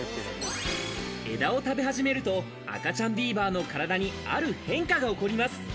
枝を食べ始めると、赤ちゃんビーバーの体にある変化が起こります。